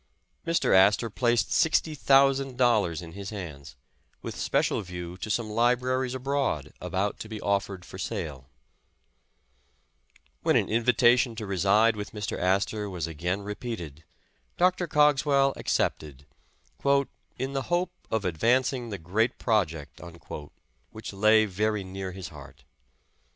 Mr. Astor placed sixty thousand dol lars in his hands, with special view to some libraries abroad about to be offered for sale. 294 The Astor Library When an invitation to reside with Mr. Astor was again repeated, Dr. Cogswell accepted, ''in the hope of advancing the great project" which lay very near his heart.